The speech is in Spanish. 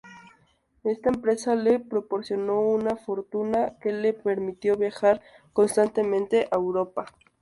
Esta empresa le proporcionó una fortuna que le permitió viajar constantemente a Europa.